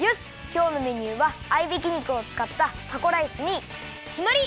きょうのメニューは合いびき肉をつかったタコライスにきまり！